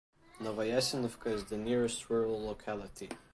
Novoyasenovka is the nearest rural locality.